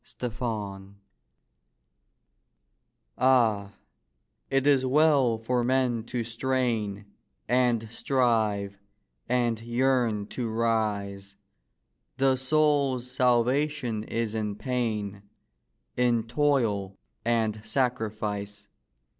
NEPENTHE Ah, it is well for men to strain And strive and yearn to rise; The soul's salvation is in pain, In toil and sacrifice.